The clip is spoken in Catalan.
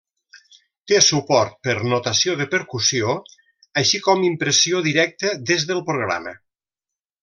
Té suport per notació de percussió, així com impressió directa des del programa.